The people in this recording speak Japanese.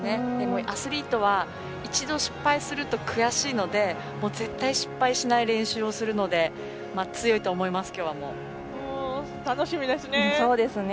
アスリートは一度失敗すると悔しいので絶対失敗しない練習をするので楽しみですね。